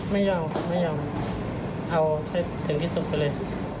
ไม่ยอมครับไม่ยอมเอาให้ถึงที่สุดไปเลย